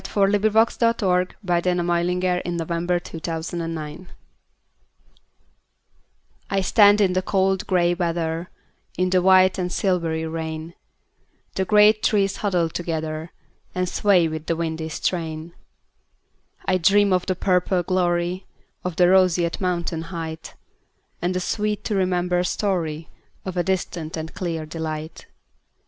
William Wetmore Story 1819–1895 William Wetmore Story 123 In the Rain I STAND in the cold gray weather, In the white and silvery rain; The great trees huddle together, And sway with the windy strain.I dream of the purple gloryOf the roseate mountain heightAnd the sweet to remember storyOf a distant and clear delight.